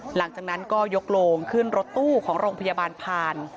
หลังจากนั้นก็ยกโลงขึ้นรถตู้ของโรงพยาบาลผ่าน